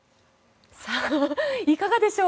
いかがでしょう。